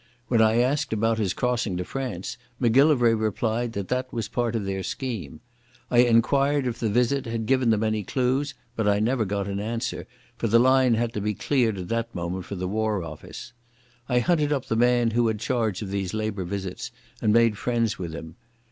When I asked about his crossing to France, Macgillivray replied that that was part of their scheme. I inquired if the visit had given them any clues, but I never got an answer, for the line had to be cleared at that moment for the War Office. I hunted up the man who had charge of these Labour visits, and made friends with him.